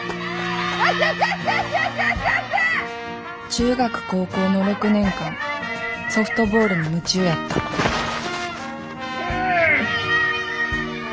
中学高校の６年間ソフトボールに夢中やったセーフ！